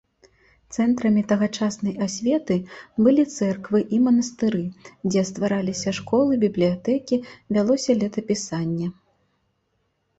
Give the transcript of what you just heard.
Цэнтрамі тагачаснай асветы былі цэрквы і манастыры, дзе ствараліся школы, бібліятэкі, вялося летапісанне.